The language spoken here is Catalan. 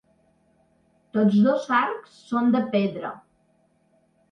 Tots dos arcs són de pedra.